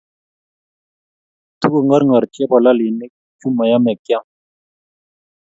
Tukong'orngor chebololonik chuumayamei keam